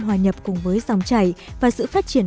hòa nhập cùng với dòng chảy và sự phát triển